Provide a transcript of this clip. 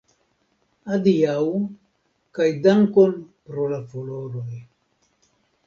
Adiaŭ, kaj dankon pro la floroj.